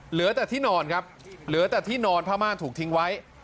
เหลือแต่ที่นอนครับเหลือแต่ที่นอนผ้าม่านถูกทิ้งไว้